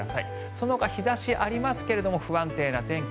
そのほか日差しはありますが不安定な天気。